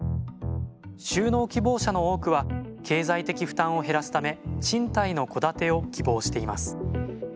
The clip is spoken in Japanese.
就農希望者の多くは経済的負担を減らすため賃貸の戸建てを希望しています。